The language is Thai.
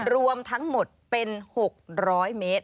รวมทั้งหมดเป็น๖๐๐เมตร